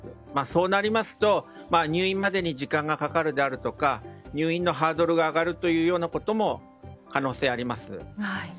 そうなりますと、入院までに時間がかかるであるとか入院のハードルが上がるというようなことも可能性があります。